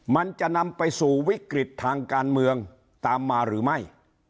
มันจะนำไปสู่วิกฤตทางการเมืองตามมาหรือไม่